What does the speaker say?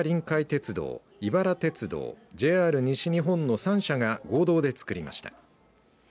鉄道井原鉄道、ＪＲ西日本の３社が合同で作りました。